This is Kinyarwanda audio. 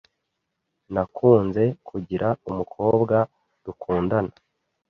Nakunze kugira umukobwa dukundana.